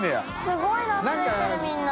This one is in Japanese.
すごいなついてるみんな。